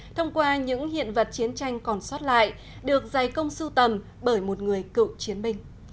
thông qua những hiện vật chiến tranh còn xót lại được giải công sưu tầm bởi một người cựu chiến binh